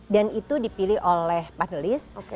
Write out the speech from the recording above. dan itu dipilih oleh panelis